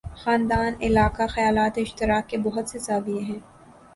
خاندان، علاقہ، خیالات اشتراک کے بہت سے زاویے ہیں۔